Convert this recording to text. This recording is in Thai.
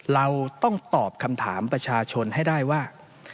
เราต้องตอบคำถามประชาชนให้ได้ว่า